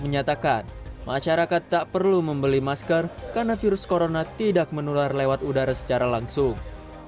menyatakan masyarakat tak perlu membeli masker karena virus corona tidak menular lewat udara secara langsung